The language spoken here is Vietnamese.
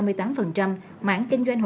mãng kinh doanh hoàn toàn là doanh thu